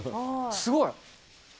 すごい！